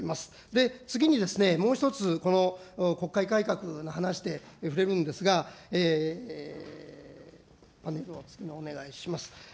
で、次にですね、もう一つ、この国会改革の話で触れるんですが、お願いします。